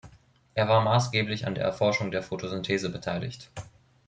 Er war maßgeblich an der Erforschung der Photosynthese beteiligt.